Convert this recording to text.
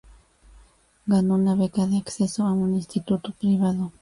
Ganó una beca de acceso a un instituto privado.